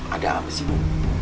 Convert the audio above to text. ada apa sih bu